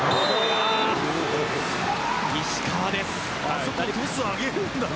あそこ、トス、上げるんだな。